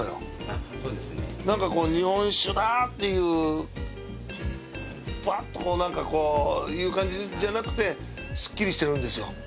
なんかこう日本酒だっていうバッとなんかこういう感じじゃなくてスッキリしてるんですよ。